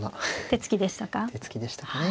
手つきでしたね。